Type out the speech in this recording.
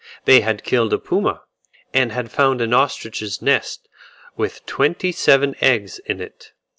They had killed a puma, and had found an ostrich's nest with twenty seven eggs in it.